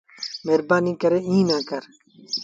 مهربآݩيٚ ڪري ايٚݩ نا ڪر